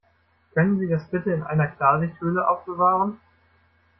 Können Sie das bitte in einer Klarsichthülle aufbewahren?